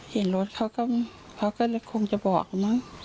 เห็นรถเขาก็คงจะบอกมั้ง